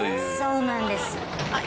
そうなんですあっ